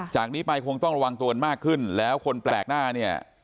จากนี้ไปคงต้องระวังตัวมากขึ้นแล้วคนแปลกหน้าเนี่ย